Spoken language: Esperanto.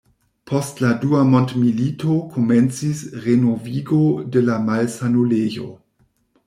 Post la dua mondmilito komencis renovigo de la malsanulejo.